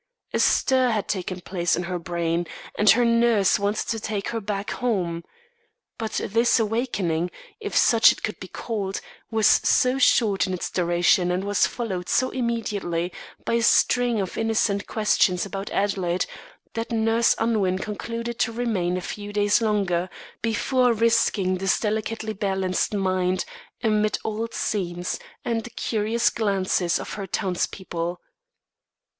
A stir had taken place in her brain, and her nurse wanted to take her back home. But this awakening if such it could be called, was so short in its duration and was followed so immediately by a string of innocent questions about Adelaide, that Nurse Unwin concluded to remain a few days longer before risking this delicately balanced mind amid old scenes and the curious glances of her townspeople.